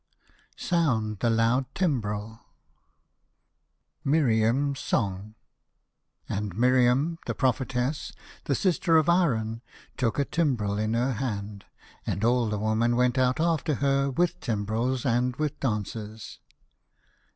SOUND THE LOUD TIMBREL MIRIAM'S SONG "And Miriam the prophetess, the sister of Aaron, toolc a timbrel in her hand; and all the women went out after her with timbrels and with dances.